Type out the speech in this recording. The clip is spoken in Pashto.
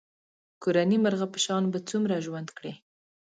کورني مرغه په شان به څومره ژوند کړې.